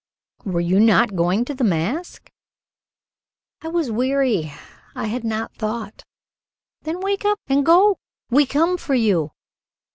"Were you not going to the mask?" "I was weary; I had not thought." "Then wake up and go. We come for you."